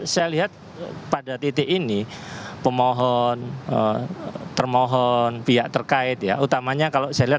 saya lihat pada titik ini pemohon termohon pihak terkait ya utamanya kalau saya lihat